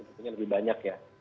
tentunya lebih banyak ya